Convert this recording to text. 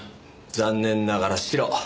残念ながらシロ。